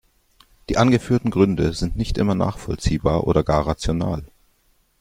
Die angeführten Gründe sind nicht immer nachvollziehbar oder gar rational.